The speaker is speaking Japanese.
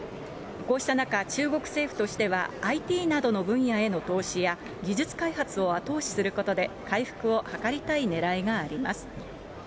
こうした中、中国政府としては、ＩＴなどの分野への投資や、技術開発を後押しすることで、回復を図りたいねらいがあります。